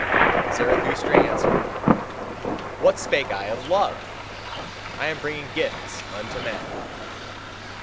Zarathustra answered: "What spake I of love! I am bringing gifts unto men."